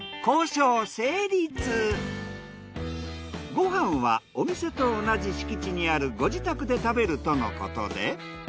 ご飯はお店と同じ敷地にあるご自宅で食べるとのことで。